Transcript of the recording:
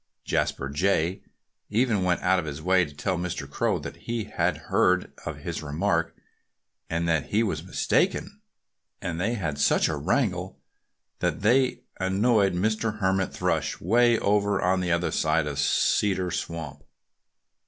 Jasper Jay even went out of his way to tell Mr. Crow that he had heard of his remark, and that he was mistaken. And they had such a wrangle that they annoyed Mr. Hermit Thrush, way over on the other side of Cedar Swamp.